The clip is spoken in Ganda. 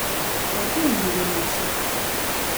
Okola mulimu ki?